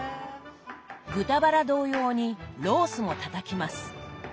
豚バラ同様にロースもたたきます。